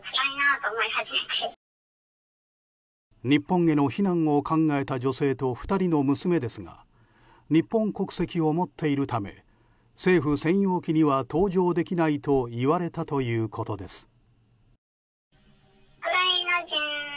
日本への避難を考えた女性と２人の娘ですが日本国籍を持っているため政府専用機には搭乗できないと言われたということです。